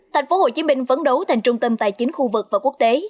thành phố hồ chí minh vấn đấu thành trung tâm tài chính khu vực và quốc tế